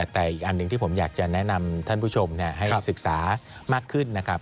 แต่อีกอันหนึ่งที่ผมอยากจะแนะนำท่านผู้ชมให้ศึกษามากขึ้นนะครับ